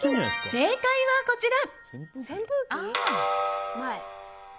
正解はこちら！